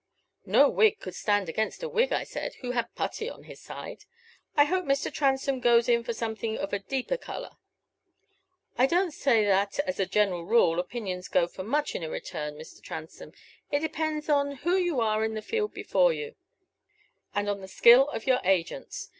No Whig could stand against a Whig,' I said, 'who had Putty on his side: I hope Mr. Transome goes in for something of a deeper color.' I don't say that, as a general rule, opinions go for much in a return, Mr. Transome; it depends on who are in the field before you, and on the skill of your agents.